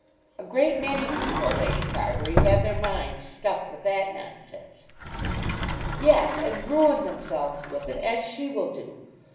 "A great many people, Lady Carbury, have their minds stuffed with that nonsense." "Yes; and ruin themselves with it, as she will do.